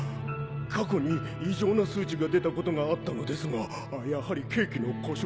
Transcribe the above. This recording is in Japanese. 過去に異常な数値が出たことがあったのですがやはり計器の故障でしょう。